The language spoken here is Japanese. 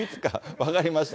分かりました。